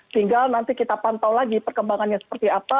tinggal nanti kita pantau lagi perkembangannya seperti apa